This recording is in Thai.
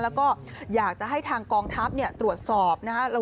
แล้วก็อยากจะให้ทางกองทัพตรวจสอบนะครับ